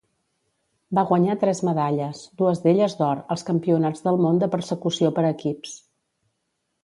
Va guanyar tres medalles, dues d'elles d'or, als Campionats del món de Persecució per equips.